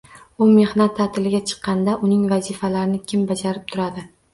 U mehnat taʼtiliga chiqqanda uning vazifalarini kim bajarib turadi?